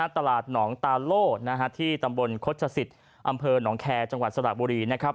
ตลาดหนองตาโล่ที่ตำบลโฆษศิษย์อำเภอหนองแคร์จังหวัดสระบุรีนะครับ